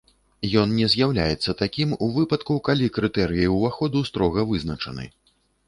Ён не з'яўляецца такім у выпадку, калі крытэрыі ўваходу строга вызначаны.